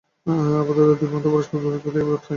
আপাতত এই দুই পন্থা পরস্পর বিপরীত বলিয়া বোধ হয়।